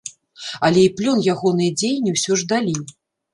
Але і плён ягоныя дзеянні ўсё ж далі.